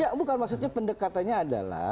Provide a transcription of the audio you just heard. ya bukan maksudnya pendekatannya adalah